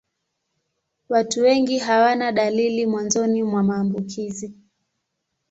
Watu wengi hawana dalili mwanzoni mwa maambukizi.